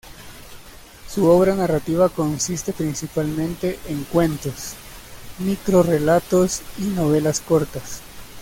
Su obra narrativa consiste principalmente en cuentos, microrrelatos y novelas cortas.